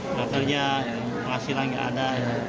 nggak terjadi hasilnya nggak ada